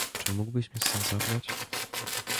"Czy mógłbyś mnie stąd zabrać?"